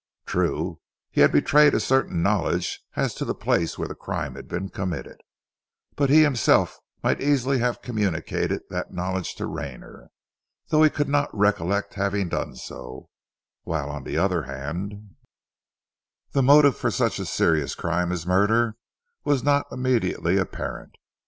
True, he had betrayed a certain knowledge as to the place where the crime had been committed, but he himself might easily have communicated that knowledge to Rayner, though he could not recollect having done so, whilst on the other hand, the motive for such a serious crime as murder was not immediately apparent.